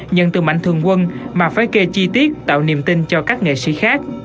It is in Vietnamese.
nhận từ mạnh thường quân mà phải kê chi tiết tạo niềm tin cho các nghệ sĩ khác